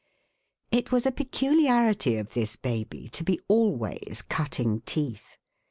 It was a peculiarity of this baby to be always cutting teeth.